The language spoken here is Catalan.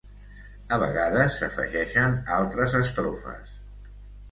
A vegades s'afegeixen altres estrofes.